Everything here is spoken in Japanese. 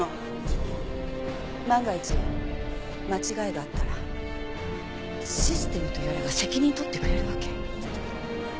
万が一間違いがあったらシステムとやらが責任取ってくれるわけ？